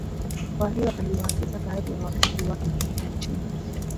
Kwa hiyo aliwaagiza baadhi ya wavuvi wake kutembea chini